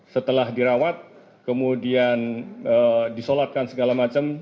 setelah dirawat kemudian disolatkan segala macam